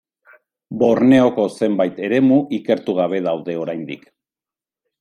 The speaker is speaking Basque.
Borneoko zenbait eremu ikertu gabe daude oraindik.